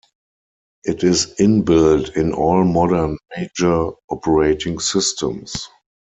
It is inbuilt in all modern major operating systems.